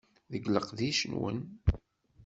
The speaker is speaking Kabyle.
Deg leqdic-nwen.